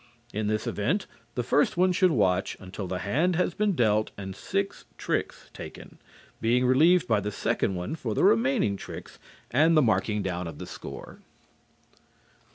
In this event the first one should watch until the hand has been dealt and six tricks taken, being relieved by the second one for the remaining tricks and the marking down of the score.